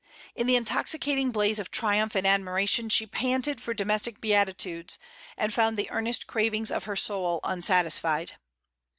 In the intoxicating blaze of triumph and admiration she panted for domestic beatitudes, and found the earnest cravings of her soul unsatisfied.